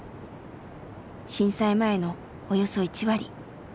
震災前のおよそ１割１，９００